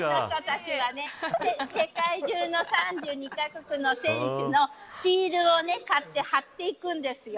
世界中の３２カ国の選手のシールを買って貼っていくんですよ。